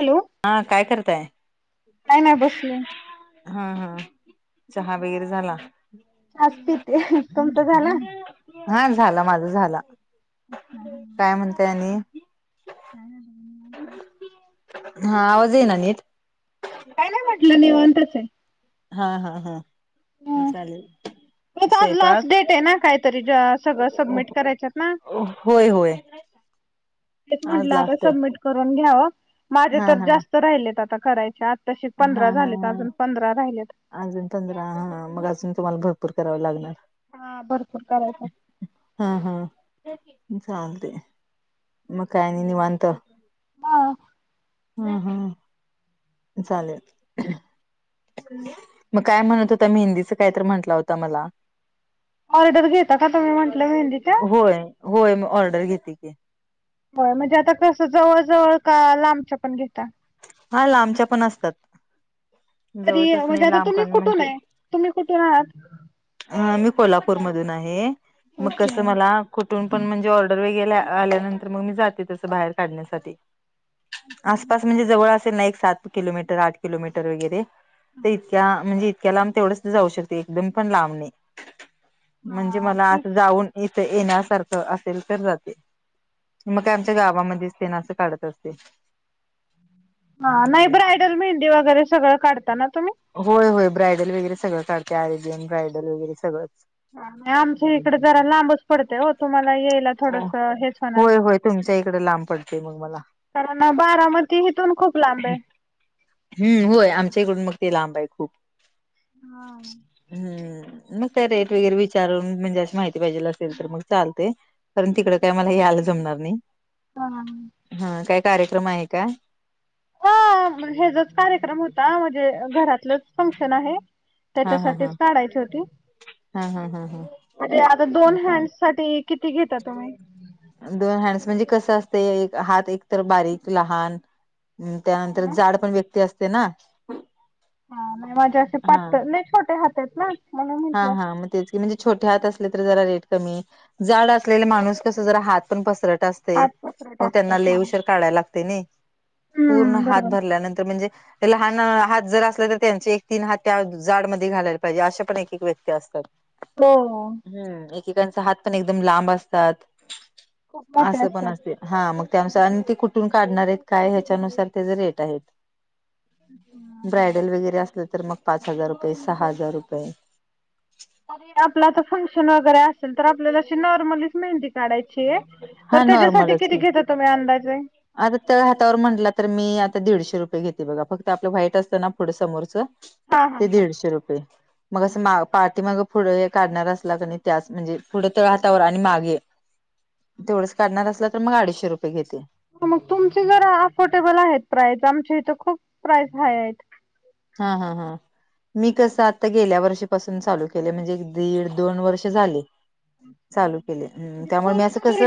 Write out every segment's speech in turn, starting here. Hello हा. काय करताय? काय नाही बसले हा हा चहा वैगरे झाला? ते तुमच झाला? हा झाला माझ झाला. काय म्हणत आणि? [unintelligible] हा आवाज येईना नीट. काय नाही म्हटलं निवांतच आहे. हा हा हा चालेल [unintelligible] आज लास्ट स्वयंपाक डेट आहे ना कायतरी जास्तीत होय होय. ते आज म्हंटलं आता लास्ट आहे सबमिट करून घ्याव माझे हा तर हा जास्त राहिलेत आता करायच्या तसे हा पंधरा हा झालेत हा अजून पंधरा राहिलेत. अजून पंधरा ह मग अजून तुम्हाला भरपूर कराव लागणार. हा भरपूर करायच. हा हा चालते मग काय नी निवांत. हा हम हम चालेल. मग काय म्हणत होता? मेहंदी काय तर म्हंटलं होता मला. ऑर्डर घेता का तुम्ही म्हटलं मेहंदीच? होय होय म ऑर्डर घेते की. होय म्हणजे आता तस जवळ जवळ का लांबच्या पण घेता? हा ला आबच्या पण असतात. तरी जवळचच म्हणजे नाही आता लांब तुम्ही पण कुठून म्हणजे आहे तुम्ही कुठून आहात. मी कोल्हापूरमधून आहे मग कस ओके मला कुठून पण म्हणजे ऑर्डर वगै आल्यानंतर मग मी जाते तस बाहेर काढण्यासाठी हा आसपास हा म्हणजे जवळ सात किलोमीटर आठ किलोमीटर वगैरे तर हा इतक्या म्हणजे इतक्याला लांब तेवढंच जाऊ शकते एकदम पण लांबणी म्हणजे हा मला तेच जाऊन इथं येण्यासारखं असेल तर जाते. मग का आमच्या गावामध्येच तेन असं काढत असते. हा नाही ब्रायडल मेहंदी वगैरे सगळं काढता ना तुम्ही? होय होय ब्रायडल वगैरे सगळं काढते आरेबियन ब्रायडल वगैरे सगळंच. आमच्या इकडे जरा लांबच पडतय हो तुम्हाला येईल होय होय तुमच्या इकडे लांब पडते मग मला. कार ना बारामती हिथून खूप लांब आहे. हम्म होय आमच्या इकडून मग ते लांब आहे खूप. हा हम्म मग का रेट वगैरे विचारून म्हणजे अशी माहिती पाहिजे असेल तर मग चालते. कारण तिकडं काय मला हेयला जमणार नाही. [unintelligible] काय कार्यक्रम आहे का? हा हेचाच कार्यक्रम होता म्हणजे घरातलंच फंक्शन आहे. हा हा हा त्याच्यासाठीच काढायची होती हा हा हा हा आता दोन चालेल हँड साठी किती घेता तुम्ही? दोन हँड्स म्हणजे कसं असते हात एकतर बारीक लहान हम् त्यानंतर हा जाड पण व्यक्ती असते ना ह नाही माझे असे पा हा नाह छोटे हात आहेत ना. म्हणून हा म्हटलं. हा म म्हणजे छोटे हात असले ज रेट जाड असलेल माणूस कस जरा हात पण पसरत अस हात पसरट मग त्यांना असतात ले हा. उशीर काढायला लागते नाही पूर्ण हम्म हात बरोबर भरल्यानंतर म्हणजे लहान हात जर असले तर त्यांचे एक तीन हात त्या जाड मध्ये घालायला पाहिजे असे पण व्यक्ती असतात. हो. हम्म एकेकांचा हात पण एकदम लांब असतात खूप मोठे असं पण असतात. असे. हा मग त्यानुसार आणि ते कुठून काढणार आहेत काय ह्याच्यानुसार त्याचा रेट आहेत. हां, हां. ब्रायडल वगैरे असलं तर मग पाच हजार रुपये सहा हजार रुपये. र आपला आता फंक्शन वगैरे असेल तर आपल्याला जशी नॉर्मलच मेहंदी. काढायची हा तर त्याच्यासाठी नॉर्मलच किती की घेत तुम्ही अंदाजे आता तळ हातावर म्हटला तर मी आता दीडशे रुपये घेते बघा फक्त आपलं वाईट असतं ना पुढं समोरच हा हा ते हा. दीडशे रुपये मग असं. पार्टी मग पुढं हे काढणार असला क त्याच म्हणजे पुढं त हातावर आणि मागे तेवढंच काढणार असलं तर मग अडीशे रुपये घेते. मग तुमची घर अफोर्डेबल आहेत प्राइस आमच्या इथं खूप प्राइस हाय आहेत. हा हा हा. मी कसं आता गेल्या वर्षीपासून चालू केलं म्हणजे दीड दोन वर्ष झाले. चालू केलेय म्हणजे त्यामुळे मी कोर्स असं कस. वगैरे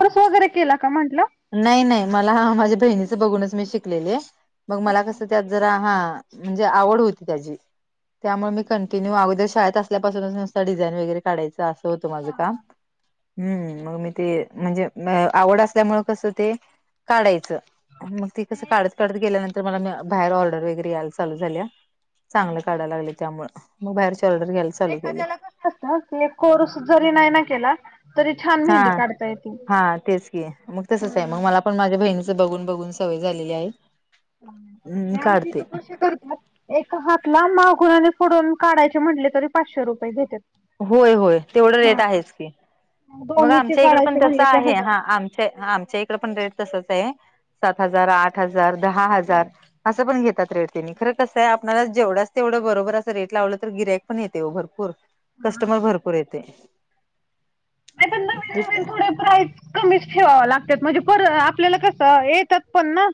पस वगैरे केला का म्हंटलं. नाही नाही मला हा माझ्या बहिणीच बघूनच मी शिकलेले मग मला अच्छा कसं त्यात जरा हा. म्हणजे आवड होती त्याची त्यामुळे मी कंटिन्यू अगोदर शाळेत असल्यापासून नुस डिझाईन वगैरे काढायंच अस. त माझ का् मग मी ते म्हणजे आवड असल्यामुळे कस ते काढायचं मग ते कसं काढत काढत गेल्यानंतर तर मला बाहेर ऑर्डर वगैरे यायला चालू झाली. चांगलं काढयला लागले त्यामुळ मग बाहेरचे ऑर्डर घ्यायला चालू केली. आ त एक कोर्स जरी नाही ना केला तरी छान हा. मेहंदी काढता येते. हा तेच. मग तसच आहे मग हं. मला पण माझ्या बहिणीच बघून बघून सवय झालेली आहे. हम्म हा आमचे काढते तू कसे करतात. एका हात ला मागून आणि पुडून काढायचे म्हटले तरी पाचशे रुपये घेते. होय होय तेवढं रेट आहेच की मग दोन्हीचे आमच्या इकड पण काढायचे त्यासं म्हणले की आहे हजार. हा आमच्या आमच्या पण रेट तसच आहे सात हजार आठ हजार दहा हजार असं पण घेतात रेट नी खरं कसं आहे आपल्याला जेवढ्याच तेवढं बरोबर असं रेट लावलं तर गिऱ्हाईक पण येते भरपूर कस्टमर भरपूर येते. नाही पण ते नवीन नवीन थोडे प्राईस कमीच ठेवावा लागतात म्हणजे पर आपल्याला कसं येतात पण ना.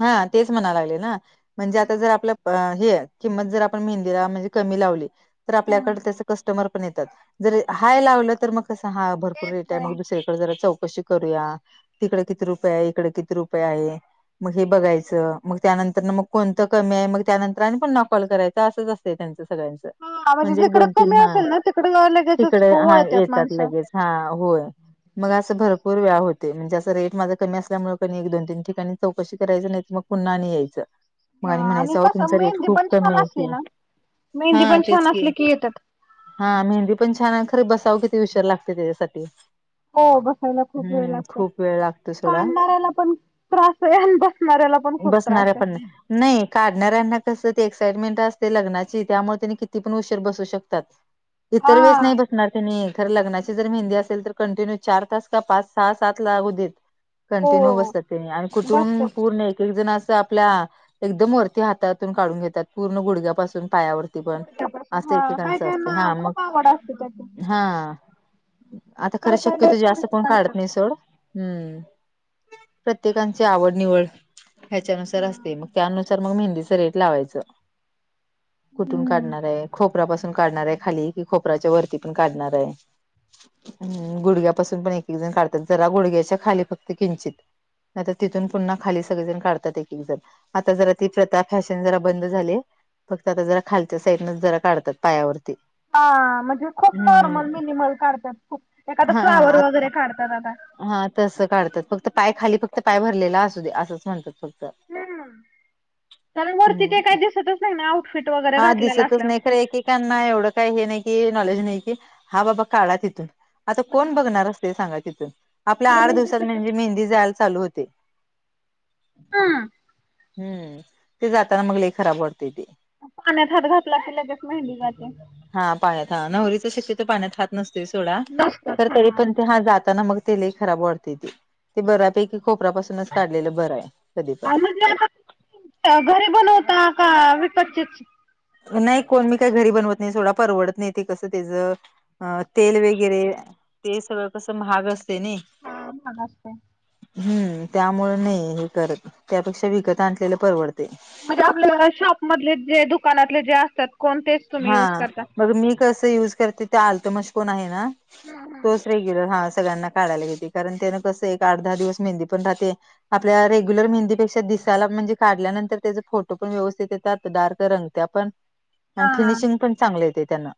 हा तेच म्हणायला लागले ना म्हणजे आता जर आपलं हे. किंमत जर आपण मेहंदीला म्हणजे कमी लावली. तर आपल्याकडे तस कस्टमर पण येतात जर हाय लावलं तर मग कस? भरपूर येत रेट आहे नाही. मग दुसरकडे जरा चौकशी करूया तिकडे किती रुपये आहे इकडे किती रुपये आहे. मग हे बघायचं मग त्यानंतर मग कोणतं कमी आहे मग त्यानंतर आणि पण नॉकॉल करायचं असंच असतं त्यांचं सगळ्यांच. हा म्हणजे जिकडं दोन तीन कमी हा असेल ना तिकडे लगेचच तिकडे हा वळत्यात येतात माणसं. लगेच. हा होय. मग असं भरपूर वेळा होते म्हणजे असं रेट माझं कमी असल्यामुळे क एक दोन तीन ठिकाणी चौकशी करायच नाही तर मग पुन्हा आणि यायचं. मग आणि हा म्हणायचं हो कसं तुमचा रेट मेहंदी खूप पण कमी छान आहे असली की ना हा मेहंदी पण तेच छान की असली येतात. हा मेहंदी पण छान आहे खरे बसावं किती उशिर लागते त्याच्यासाठी हो बसायला खूप वेळ हम्म लागतो खूप वेळ लागतो सोडा काडणाऱ्याला पण त्रास आहे आणी बसणाऱ्यांना पण खूप त्रास बसणाऱ्या पण आहे. नाही काढणार्‍याना कसं ते एक्साइटमेंट असते लग्नाची त्यामुळे त्याने किती पण उशीर बसू शकतात. हा इतर वेळेस नाही बसणार त्यांनी तर लग्नाची जर मेहंदी असेल तर कंटिन्यू चार तास का पाच सहा सात लागू देत. हो कंटिन्यू बसतात त्यांनी आणि बसत कुठून पूर्ण एक एक जण आपल्या एकदम वरती हातातून काढून घेतात पूर्ण गुडघ्या पाासून पायावर पण गुडघ्यापासून असं हा काय एकेकांच काय असते ना हा मग खूप आवड असते त्याची हा आता खरं काय काय लय शक्यतो जास्त थोडीशी कोण काढत काढतात. नाही सोड हम्म प्रत्येक ची आवड निवड ह्याच्यानुसार असते मग त्यानुसार मग मेहंदीच रेट लावायचं कुठून हम्म काढणार आहे खोप खोपऱ्यापासून काढणार आहे खाली की खोपऱच्या वरती पण काढणार आहे हम गुडघ्यापासून पण एक एक जण काढतात जरा गुडघ्याच्या खाली फक्त किंचित नाही तर तिथून पुन्हा खाली सगळेजण काढतात एक एक जण आता जरा ती प्रथा फॅशन जरा बंद झाली फक्त आता जरा खालच्या साईडनच जरा काढतात पायावरती हा म्हणजे खूप नॉर्मल हम्म मिनिमल काढतात खूप एखाद फ्लावर हा वगैरे काढतात आता हा तसं काढतात फक्त पाय खाली फक्त पाय भरलेला असू दे असंच म्हणतात फक्त हम त्या वरती ते हम्म काही दिसतच नाही ना आउटफिट वगैरे घातलेला असल्या त्यांना एवढं काही हे नाही की नॉलेज नाही की हा बाबा काढा तिथून आता कोण बघणार असते सांगा तिथून आपल्या आठ वरूनच दिवसात दिसतच म्हणजे नाही मेहंदी जायला चालू होते हा हम्म ते जाताना मगला खराब वाटते ते पाण्यात हात घातला की लगेच मेहंदी जाते हा पाण्यात हा नवरीचा शेक्यतो पाण्यात हात नसतोय सोडा नसत तर तरी छान पण ते हा जाताना मग ते लई खराब वाटते ते बऱ्यापैकी खोपऱ्यापासूनच काढलेलं बरं आहे कधी पण म्हणजे आता घरी बनवता का विकतचीच नाही कोण मी काही घरी बनवत नाही सोडा परवडत नाही ते कसं त्याचं अ तेल वगैरे ते सगळं कसं महाग असते ना हा महाग असतय हम्म त्यामुळें नाही हे करत त्यापेक्षा विकत आणलेले परवडते म्हणजे आपल्या शॉप मधले जे दुकानातले जे असतात कोणते हा मग मी कस यूज करते तो आलतमश कोण आहे ना हम्म तो रेग्युलर हा सगळ्यांना काढायला घेते कारण त्यान कसं एक आठ दहा दिवस मेंदी पण राहते आपल्या रेग्युलर मेंहदीे पेक्शा दिस त्याला म्हणजे काढल्यानंतर त्याचे फोटो पण व्यवस्थित येतात डार्क रंगत्या पण आणि हम्म फिनिशिंग पण चांगलं येते त्यांना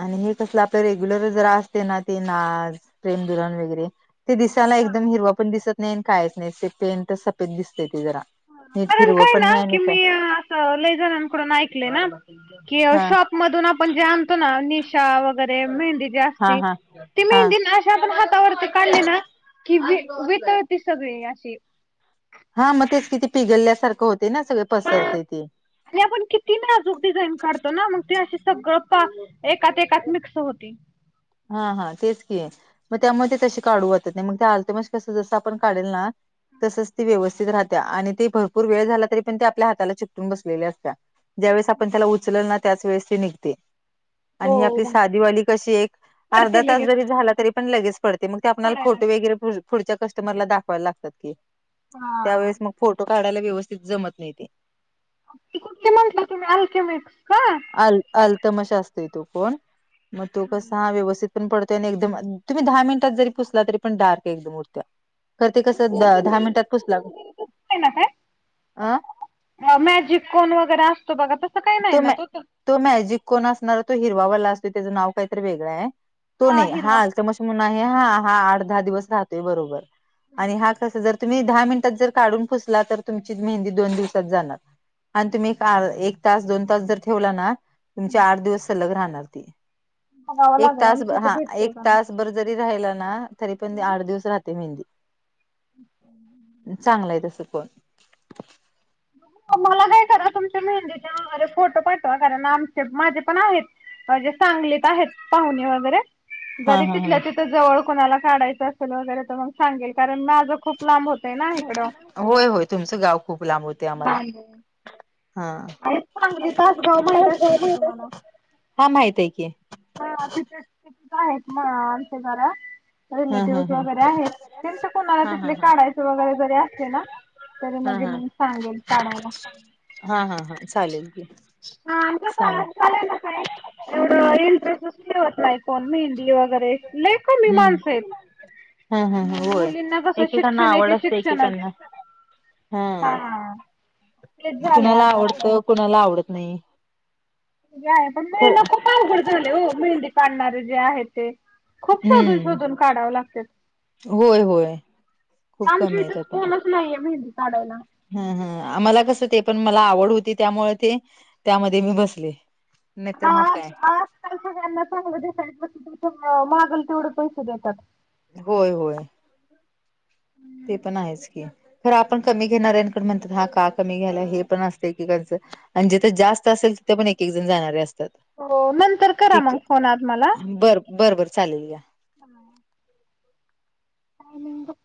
आणि हे कसलं आपलं रेग्युलर जरा असते ना ते नाच प्रेम धुरण वगैरे ते दिस त्याला हा एकदम हिरवा पण दिसत नाही काहीच नाही स पेन तर सफेद दिसत ते जरा नीट कारण हिरवं काय पण ना नाही आणि की काय मी अस ले जनाकडून ऐकल ना की हा शाॅप मधून आपण जे आणतो ना निशा वगैरे मेहंदी जी हा असती हा ती हा मेहंदी आपण हातावर काढले ना की वितळती सगळी अशी हा मग तेच किती पिघलल्यासारखं होते ना सगळे पसरते ते आणि आपण किती नाजूक डिझाईन काढतो ना मग ते असे सगळं एकात एकात ममिक्स होती हा हा तेच की आहे मग त्यामुळे ते तसे काढू वाटत नाही मग ते आलत म कसं जसं आपण काढेल ना तसच ती व्यवस्थित राहत्या आणि त भरपूर वेळ झाला तरी पण त्या आपल्या हाताला चिटकवून बसलेले असते ज्यावेेळेस आपण त्याला उचलल ना त्यांचं वेळेस त निघते हो आणि ही आपली मग साधीवाली कशी एक अर्धा पडते तास लगेच जरी झाला तरी पण लगेच पडते मग ते आपला पडायला फोटो लागते वगैरे पुढच्या कस्टमरला दाखवायला लागतात की हा त्यावेेळेस मग फोटो काढायला व्यवस्थित जमत नाही ते कुठे म्हणलं तुम्ही अल्केमिक्स का आल आल्तमशा असतेय तो कोण मग तो कसा हा व्यवस्थित पण पडत त्याने एकदम तुम्ही दहा मिनिटात जरी पुसला तरी पण डार्क एकदम उरत्या कर ते कस दहा मिनिटात पुसला नाही ना काय अ मॅजिक कोन वगैरे असतो बघा तसं काही नाही ना तो तर तो मॅजिक कोण असणार तो हिरवावाला असतो त्याचं नाव काहीतरी वेगळं आहे. तो नाही हा अतमशे म्हून आहे हा हा आठ दहा दिवस राहतोय बरोबर. आणि हा कसा जर तुम्ही दहा मिनिटात जर काढून पुसला तर तुमची मेहंदी दोन दिवसात जाणार. आणि तुम्ही एक. तास दोन तास जर ठेवला ना तुमचे आठ दिवस सलग राहणार त. बघावं एक लागेल तास आमच्या इथं हा भेटतोय एक का नाही तास बर. जरी राहिला ना तरी पण आठ दिवस राहते मेहंदी. चांगलं आहे तसं कोण. मला काय करा तुमच्या मेहंदीच्या नावे फोटो पाठवा कारण आमचे माझे पण आहेत. माझे सांगलीत आहेत पाहुणे वगैरे. हा जरी हा हा तिथल्या तिथ जवळ कोणाला काढायचं असेल वगैरे तर मग सांगेल कारण मी. खूप लांब होतय ना इकडं. होय होय तुमचं गाव खूप लांब होत. [unintelligible] हा आहेत चांगली तासगाव माहित असेल की तुम्हाला हा माहित आहे की. [unintelligible] [unintelligible] हा हा रिलेटिव्हस हा वगैरे आहेत त्यांच कुणाला हा हा तिथले हा. काढायच वगैरे जरी असते ना तरी हा मजे हा मी सांगेल काढायला. हा हा हा चालेल की सां. यवठे इंटरेस्ट ठेवत नाही मेहंदी वगैरे लय मी हम्म माणसे. हम् हम होय एकेकांना शिक्षण आवड एके असते शिक्षणच एकेकांना. हा तेच झालंय कुणाला आता आवडत कुणाला आवडत नाही. आहे पण मेहना खूप अवघड झाले हो मेहंदी काढणारे जे आहे ते. खूप शोधून हम्म शोधून काढाव लागत होय होय खूप कमी आमचा कोण. नाही मेहंदी काढायला. ह ह मला कसं ते पण मला आवड होती त्यामुळे ते त्यांमध्ये मी बसले. नाही तर मग काय. का सगळ्यांना चांगलंय मागले तेवढे पैसे देतात. होय होय. ते पण आहेच की खरं आपण कमी घेणाऱ म्हणतात हा का कमी घ्याय हे पण असते की त्यांच. आणि जिथे जास्त असेल तिथे पण एक एक जण जाणारे असतात. हो नंतर करा ठीक मग फोन आज मला. बर बर बर चालेल या. [unintelligible] टामिंग